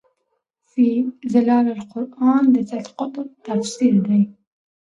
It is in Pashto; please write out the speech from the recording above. في ظِلال القُرآن د سيد قُطب تفسير دی